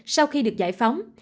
sau khi được giải phóng